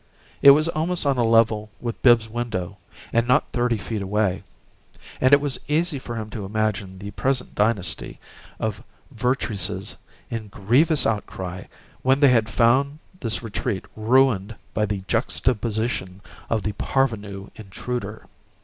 It was almost on a level with Bibbs's window and not thirty feet away; and it was easy for him to imagine the present dynasty of Vertreeses in grievous outcry when they had found this retreat ruined by the juxtaposition of the parvenu intruder.